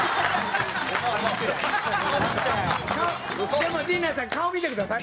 でも陣内さん顔見てください。